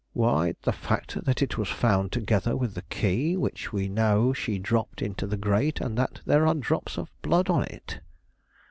"Why, the fact that it was found together with the key, which we know she dropped into the grate, and that there are drops of blood on it."